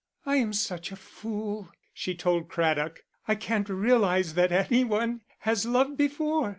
"I am such a fool," she told Craddock, "I can't realise that any one has loved before.